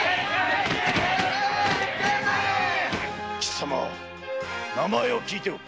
貴様名前を聞いておく。